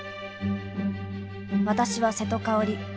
私は瀬戸香織。